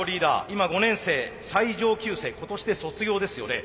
今５年生最上級生今年で卒業ですよね。